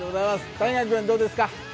谷垣君、どうですか？